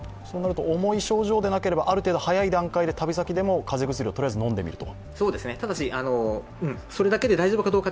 重い症状でなければ、ある程度早い段階で旅先でも風邪薬をとりあえず飲んでみると？